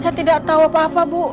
saya tidak tahu apa apa bu